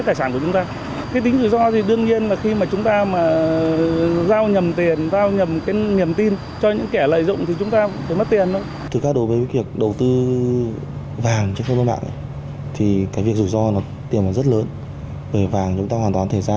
đầu tư vàng cho các bạn thì cái việc rủi ro là tiền rất lớn về vàng chúng ta hoàn toàn thể ra